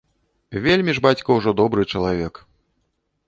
Вельмі ж бацька ўжо добры чалавек.